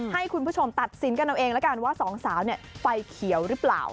ให้คุณผู้ชมตัดสินกันเอาเองแล้วกันว่าสองสาวไฟเขียวหรือเปล่า